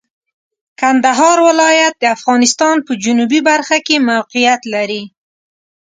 کندهار ولایت د افغانستان په جنوبي برخه کې موقعیت لري.